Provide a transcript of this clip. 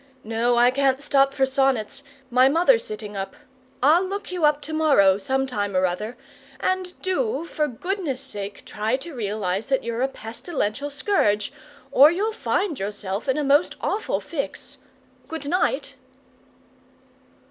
No, I can't stop for sonnets; my mother's sitting up. I'll look you up to morrow, sometime or other, and do for goodness' sake try and realize that you're a pestilential scourge, or you'll find yourself in a most awful fix. Good night!"